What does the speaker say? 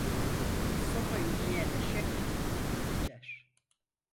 Sopayı yiyen eşek, atı geçer.